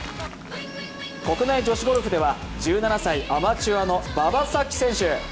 国内女子ゴルフでは１７歳アマチュアの馬場咲希選手。